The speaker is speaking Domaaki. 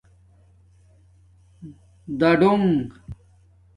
دَڈݸنݣ